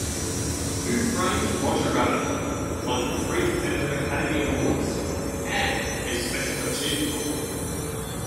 "Who Framed Roger Rabbit" won three competitive Academy Awards and a Special Achievement Award.